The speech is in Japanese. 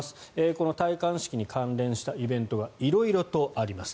この戴冠式に関連したイベントが色々とあります。